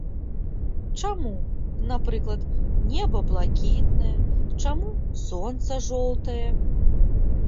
Чаму, напрыклад, неба блакітнае, чаму сонца жоўтае.